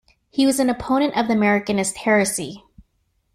He was an opponent of the Americanist heresy.